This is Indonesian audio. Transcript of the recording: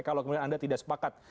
kalau kemudian anda tidak sepakat